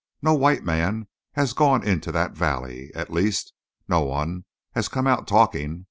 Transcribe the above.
No white man has gone into that valley; at least, no one has come out talking.